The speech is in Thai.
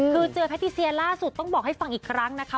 คือเจอแพทติเซียล่าสุดต้องบอกให้ฟังอีกครั้งนะคะ